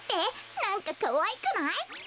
なんかかわいくない？はあ？